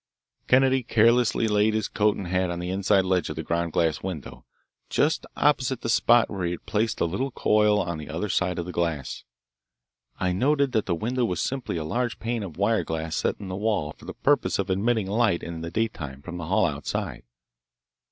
Kennedy carelessly laid his coat and hat on the inside ledge of the ground glass window, just opposite the spot where he had placed the little coil on the other side of the glass. I noted that the window was simply a large pane of wire glass set in the wall for the purpose of admitting light in the daytime from the hall outside.